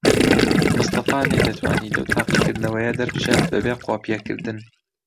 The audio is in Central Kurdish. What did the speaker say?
مستەفا نەیدەتوانی لەو تاقیکردنەوەیە دەربچێت بەبێ قۆپیەکردن.